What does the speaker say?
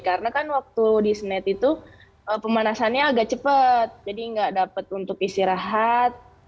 karena kan waktu di snath itu pemanasannya agak cepat jadi nggak dapat untuk istirahat